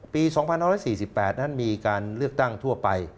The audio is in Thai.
ปี๒๑๔๘นั้นมีการเลือกตั้งทั่วไป